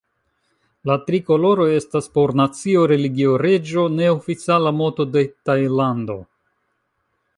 La tri koloroj estas por nacio-religio-reĝo, neoficiala moto de Tajlando.